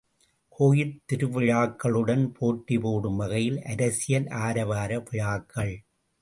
கோயில் திருவிழாக்களுடன் போட்டி போடும் வகையில் அரசியல் ஆரவார விழாக்கள்!